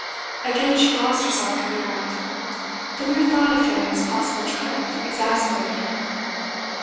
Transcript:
Again she lost her self command; the mere thought of Fanny's possible triumph exasperated her.